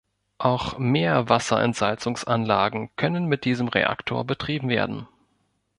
Auch Meerwasserentsalzungsanlagen können mit diesem Reaktor betrieben werden.